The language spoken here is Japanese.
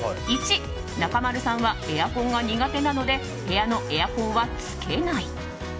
１、中丸さんはエアコンが苦手なので部屋のエアコンはつけない。